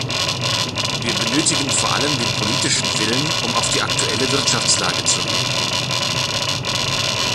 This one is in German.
Wir benötigen vor allem den politischen Willen, um auf die aktuelle Wirtschaftslage zu reagieren.